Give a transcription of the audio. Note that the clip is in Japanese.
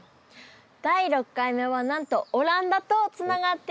第６回目はなんとオランダとつながっています。